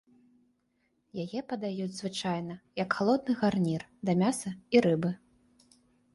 Яе падаюць, звычайна, як халодны гарнір да мяса і рыбы.